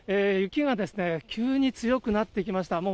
雪が急に強くなってきました。